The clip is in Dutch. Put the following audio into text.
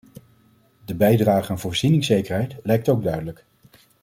De bijdrage aan voorzieningszekerheid lijkt ook duidelijk.